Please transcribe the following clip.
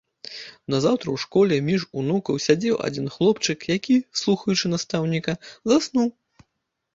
Назаўтра ў школе між унукаў сядзеў адзін хлопчык, які, слухаючы настаўніка, заснуў.